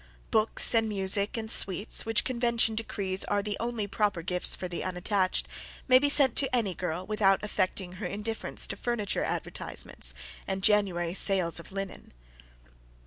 Books, and music, and sweets, which convention decrees are the only proper gifts for the unattached, may be sent to any girl, without affecting her indifference to furniture advertisements and January sales of linen.